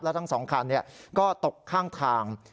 แล้วทั้งสองคันนี้ก็ตกข้างทาง